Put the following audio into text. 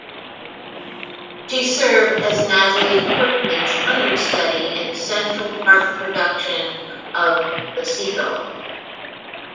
She served as Natalie Portman's understudy in the Central Park production of "The Seagull".